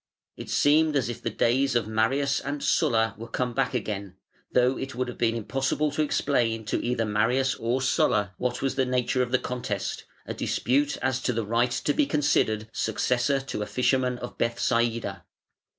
It seemed as if the days of Marius and Sulla were come back again, though it would have been impossible to explain to either Marius or Sulla what was the nature of the contest, a dispute as to the right to be considered successor to a fisherman of Bethsaida.